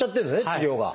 治療が。